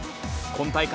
今大会、